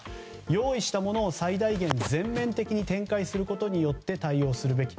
用意したものを最大限、全面的に展開することによって対応するべき。